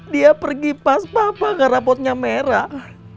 dia pergi pas papa karapotnya merah